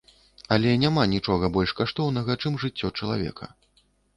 Але няма нічога больш каштоўнага, чым жыццё чалавека.